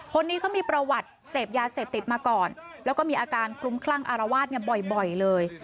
คนนี้เขามีประวัติเสพยาเสพติดมาก่อนแล้วก็มีอาการคลุ้มคลั่งอารวาสบ่อยเลย